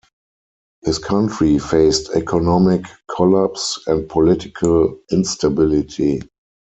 His country faced economic collapse and political instability.